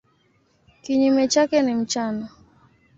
Kinyume chake ni mchana.